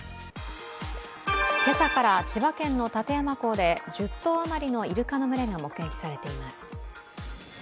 今朝から、千葉県の館山港で１０頭あまりのいるかの群れが目撃されています。